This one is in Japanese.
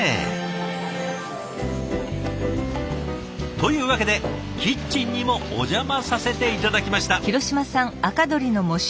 というわけでキッチンにもお邪魔させて頂きました。